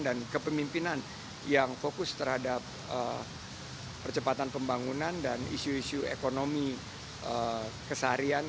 dan kepemimpinan yang fokus terhadap percepatan pembangunan dan isu isu ekonomi kesaharian